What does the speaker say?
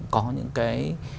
có những cái